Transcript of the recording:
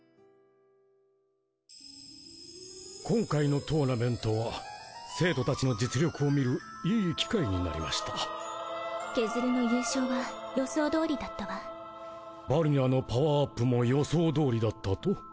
今回のトーナメントは生徒たちの実力を見るいい機会になりましたケズルの優勝は予想どおりだったわバルニャーのパワーアップも予想どおりだったと？